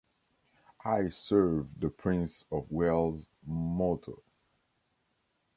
I serve the Prince of Wales’ motto.